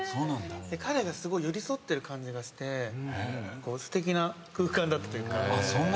彼が寄り添ってる感じがしてすてきな空間だったというか。